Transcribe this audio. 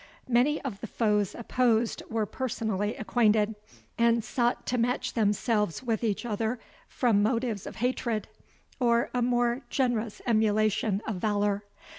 Many of the foes opposed were personally acquainted, and sought to match themselves with each other from motives of hatred, or a more generous emulation of valour.